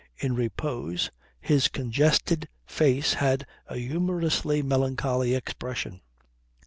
In repose, his congested face had a humorously melancholy expression.